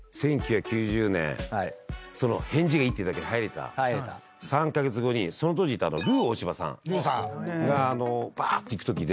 その返事がいいっていうだけで入れた３カ月後にその当時いたルー大柴さんがばーっていくときで。